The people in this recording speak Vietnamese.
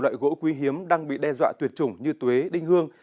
để bảo vệ nhiều loại gỗ quý hiếm đang bị đe dọa tuyệt chủng như tuế đinh hương